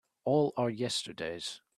All our yesterdays